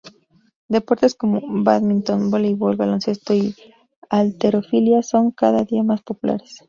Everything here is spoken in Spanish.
Deportes como bádminton, voleibol, baloncesto y halterofilia son cada día más populares.